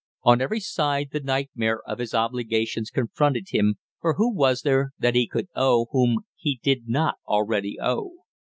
On every side the nightmare of his obligations confronted him, for who was there that he could owe whom he did not already owe?